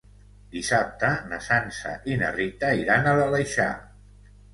Dissabte na Sança i na Rita iran a l'Aleixar.